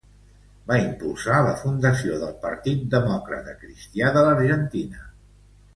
Va impulsar la fundació del Partit Demòcrata Cristià de l'Argentina.